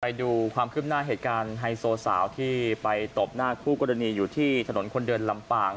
ไปดูความคืบหน้าเหตุการณ์ไฮโซสาวที่ไปตบหน้าคู่กรณีอยู่ที่ถนนคนเดินลำปาง